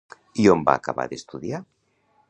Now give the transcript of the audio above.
I on va acabar d'estudiar?